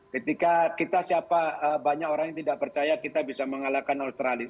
ketika kita siapa banyak orang yang tidak percaya kita bisa mengalahkan australia